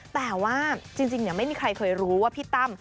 แต่ว่าจริงไม่มีใครเคยรู้ว่าพี่ตั้ม